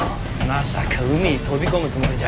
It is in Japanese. まさか海に飛び込むつもりじゃ。